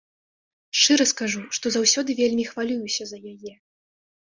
Шчыра скажу, што заўсёды вельмі хвалююся за яе.